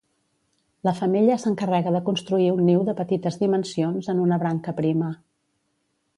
La femella s'encarrega de construir un niu de petites dimensions en una branca prima.